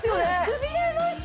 くびれました